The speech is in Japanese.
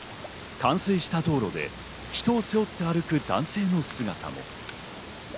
冠水した道路で人を背負って歩く男性の姿も。